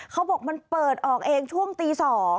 เขาบอกมันเปิดออกเองช่วงตี๒